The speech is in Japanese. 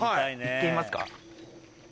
行ってみますか。